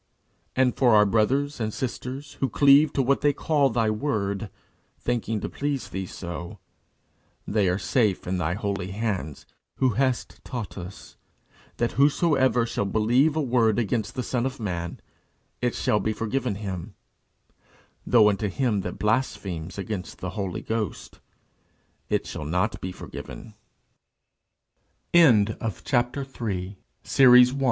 And for our brothers and sisters, who cleave to what they call thy word, thinking to please thee so, they are in thy holy safe hands, who hast taught us that whosoever shall speak a word against the Son of man, it shall be forgiven him; though unto him that blasphemes against the Holy Ghost, it shall not be forgiven_. IT SHALL NOT BE FORGIVEN.